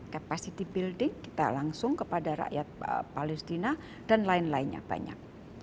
capacity building kita langsung kepada rakyat palestina dan lain lainnya banyak